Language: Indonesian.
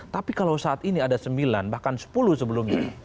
tapi kalau saat ini ada sembilan bahkan sepuluh sebelumnya